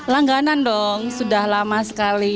langganan dong sudah lama sekali